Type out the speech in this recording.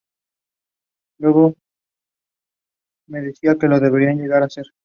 Luego me decía lo que deberían llegar a ser.